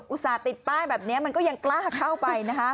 อุตส่าห์ติดป้ายแบบนี้มันก็ยังกล้าเข้าไปนะคะ